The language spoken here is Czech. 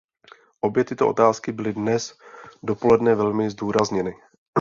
Obě tyto otázky byly dnes dopoledne velmi zdůrazněny.